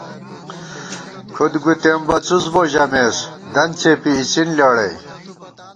کھُد گُوتېم بہ څُس بو ژمېس ، دن څېپی اِڅِن لېڑَئی